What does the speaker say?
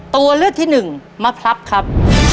ตัวเลือกที่หนึ่งมะพรับครับ